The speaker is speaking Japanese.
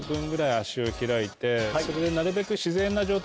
それでなるべく。